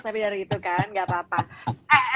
tapi dari itu kan gak apa apa